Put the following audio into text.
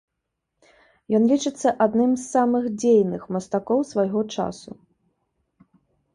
Ён лічыцца адным з самых дзейных мастакоў свайго часу.